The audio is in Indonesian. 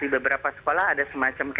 di beberapa sekolah ada semacam